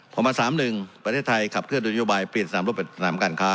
พอมา๓๑ประเทศไทยขับเครื่องโดนยุบายเปลี่ยนขนาดสถานประจำการค้า